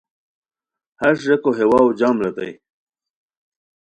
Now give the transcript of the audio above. ہݰ ریکو ہے واؤ جام ریتائے